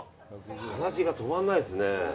鼻血が止まんないですね。